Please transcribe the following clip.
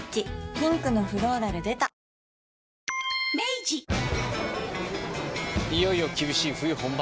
ピンクのフローラル出たいよいよ厳しい冬本番。